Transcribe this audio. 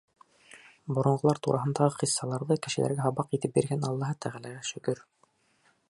Боронғолар тураһындағы ҡиссаларҙы кешеләргә һабаҡ итеп биргән Аллаһы Тәғәләгә шөкөр!